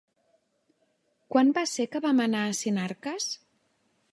Quan va ser que vam anar a Sinarques?